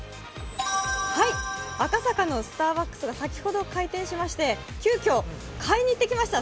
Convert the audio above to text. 赤坂のスターバックスが先ほど開店しまして急きょ、買いに行ってきました。